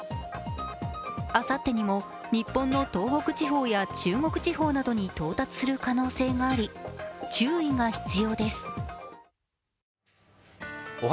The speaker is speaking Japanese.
あさってにも日本の東北地方や中国地方などに到達する可能性があり、注意が必要です。